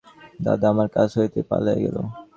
দাদা, আমার কাছ হইতে পালাইয়া গেল!